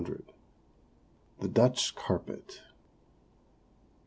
C. THE DUTCH CARPET.